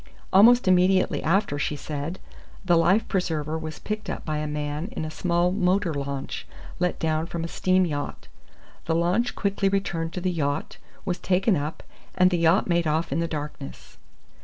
Almost immediately after, she said, the life preserver was picked up by a man in a small motor launch let down from a steam yacht. The launch quickly returned to the yacht, was taken up, and the yacht made off in the darkness.